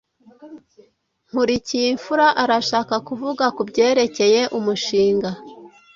Nkurikiyimfura arashaka kuvuga kubyerekeye umushinga.